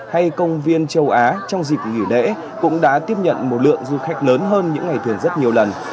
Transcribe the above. hay công viên châu á trong dịp nghỉ lễ cũng đã tiếp nhận một lượng du khách lớn hơn những ngày thường rất nhiều lần